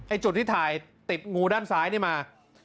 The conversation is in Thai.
จุดที่ถ่ายติดงูด้านซ้ายนี่มา